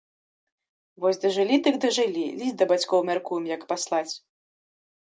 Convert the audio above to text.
Вось дажылі дык дажылі, ліст да бацькоў мяркуем як паслаць.